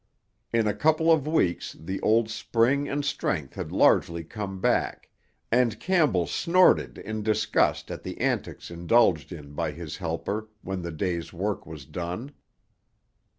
In a couple of weeks the old spring and strength had largely come back, and Campbell snorted in disgust at the antics indulged in by his helper when the day's work was done.